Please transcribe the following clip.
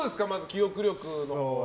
記憶力のほうは。